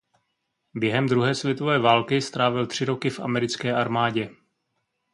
Během druhé světové války strávil tři roky v americké armádě.